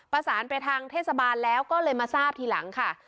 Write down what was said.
ประสานไปทางเทศบาลแล้วก็เลยมาทราบทีหลังค่ะ